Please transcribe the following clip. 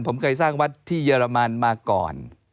ผมเคยสร้างวัดที่เยอรมันมาก่อน